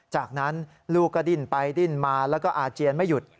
จากนั้นลูกก็ดิ้นไปดิ้นมาแล้วก็อาเจียนไม่หยุด